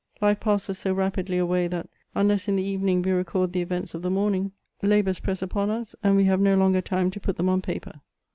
Life passes so rapidly away, that, unless in the evening we record the events of the morning, labours press upon us, and we have no longer time to put them on paper.